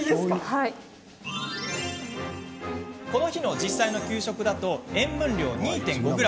この日の実際の給食だと塩分量２．５ｇ。